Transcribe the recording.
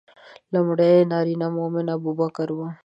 لومړی نارینه مؤمن ابوبکر و.